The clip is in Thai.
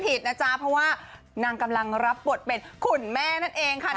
ผิดนะจ๊ะเพราะว่านางกำลังรับบทเป็นคุณแม่นั่นเองค่ะ